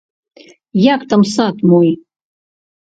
Як там сад мой?